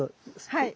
はい。